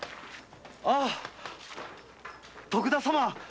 あぁ徳田様。